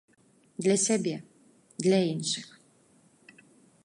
Для сябе, для іншых.